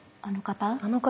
あの方？